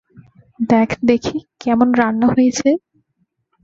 দেখ দেখি কেমন রান্না হয়েছে।